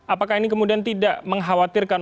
apakah ini kemudian tidak mengkhawatirkan